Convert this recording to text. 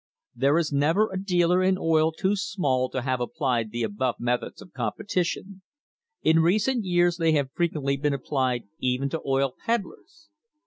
There is never a dealer in oil too small to have applied the above methods of competition. In recent years they have fre quently been applied even to oil peddlers.